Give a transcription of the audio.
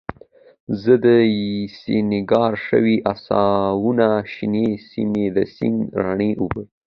زوم، سینګار شوي آسونه، شنې سیمې، د سیند رڼې اوبه